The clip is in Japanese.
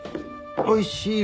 おいしい